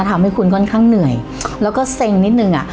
ทำให้คุณค่อนข้างเหนื่อยแล้วก็เซ็งนิดนึงอ่ะ